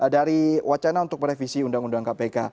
dari wacana untuk merevisi undang undang kpk